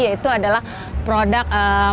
yaitu adalah produk manisan kolangkaling